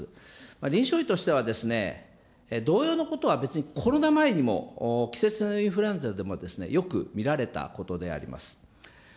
臨床医としては同様のことは別にコロナ前にも季節性インフルエンザでもよく見られたことであります。